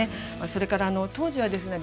それから当時はですね